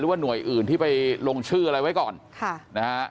หรือว่าหน่วยอื่นที่ไปลงชื่ออะไรไว้ก่อน